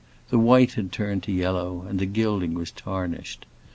The white had turned to yellow, and the gilding was tarnished.